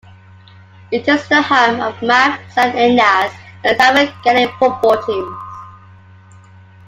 It is the home of Omagh Saint Enda's and the Tyrone Gaelic football teams.